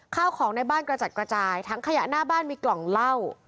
ข้าวของในบ้านกระจัดกระจายถังขยะหน้าบ้านมีกล่องเหล้า